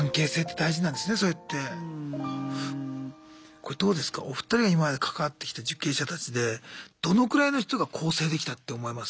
これどうですかお二人が今まで関わってきた受刑者たちでどのくらいの人が更生できたって思います？